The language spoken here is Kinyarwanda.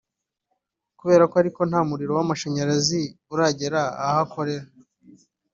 Kubera ko ariko nta muriro w’amashanyarazi uragera aho akorera